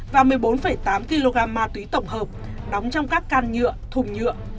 và một mươi bốn tám kg ma túy tổng hợp đóng trong các can nhựa thùng nhựa